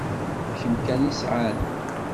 D kemm kan i sɛan.